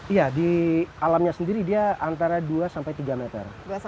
iya di alamnya sendiri dia antara dua sampai tiga meter